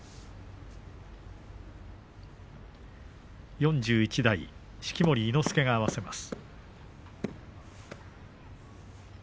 ４１代式守伊之助が合わせます。